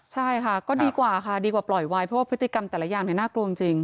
ใช่ค่ะก็ดีกว่าค่ะดีกว่าปล่อยไว้เพราะว่าพฤติกรรมแต่ละอย่างน่ากลัวจริง